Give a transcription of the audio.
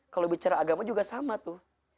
kalau bicara agama juga sama tuh